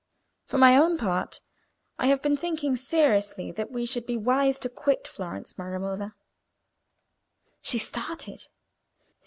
For my own part, I have been thinking seriously that we should be wise to quit Florence, my Romola." She started.